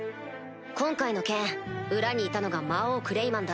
今回の件裏にいたのが魔王クレイマンだ。